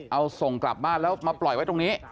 เอาส่งกลับบ้านแล้วมาปล่อยไว้ตรงนี้